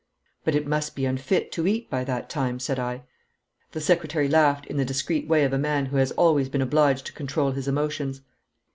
'But it must be unfit to eat by that time,' said I. The secretary laughed in the discreet way of a man who has always been obliged to control his emotions.